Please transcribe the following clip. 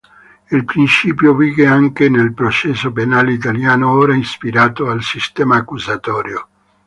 Il principio vige anche nel processo penale italiano, ora ispirato al sistema accusatorio.